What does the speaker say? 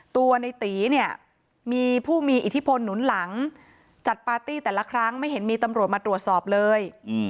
ตัวในตีเนี่ยมีผู้มีอิทธิพลหนุนหลังจัดปาร์ตี้แต่ละครั้งไม่เห็นมีตำรวจมาตรวจสอบเลย